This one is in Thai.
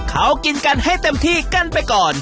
เขากินกันให้เต็มที่กันไปก่อน